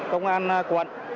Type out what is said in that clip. công an quận